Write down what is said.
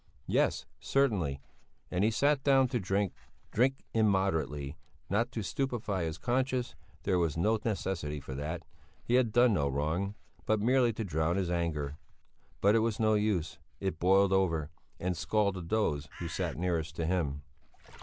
Yes, certainly and he sat down to drink, drink immoderately not to stupefy his conscience, there was no necessity for that, he had done no wrong, but merely to drown his anger. But it was no use; it boiled over and scalded those who sat nearest to him.